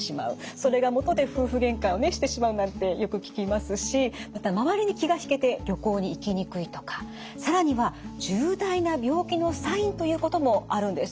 それがもとで夫婦げんかをしてしまうなんてよく聞きますしまた周りに気が引けて旅行に行きにくいとか更には重大な病気のサインということもあるんです。